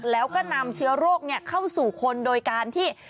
แล้วก็นำเชื้อโรคเข้าสู่คนโดยการที่